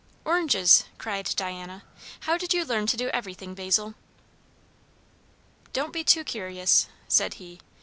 "Oranges!" cried Diana. "How did you learn to do everything, Basil?" "Don't be too curious," said he.